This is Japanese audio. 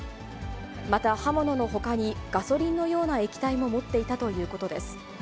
また刃物のほかにガソリンのような液体も持っていたということです。